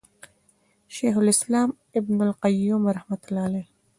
شيخ الإسلام ابن القيّم رحمه الله